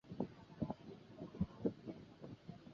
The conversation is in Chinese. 媒介效果研究受众研究